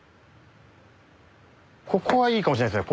ここはいいかもしれないですね